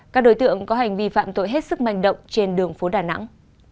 các đối tượng có hành vi phạm tội hết sức manh động trên đường phố đà nẵng